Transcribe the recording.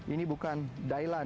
ini bukan dailan